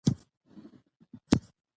مور مې بلې کوټې ته بوتلم. هلته مې ولیدله چې